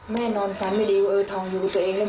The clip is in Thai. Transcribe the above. แม่นอนฝันไม่ดีว่าเออทองอยู่กับตัวเอง